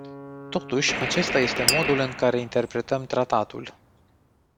Totuși acesta este modul în care interpretăm tratatul.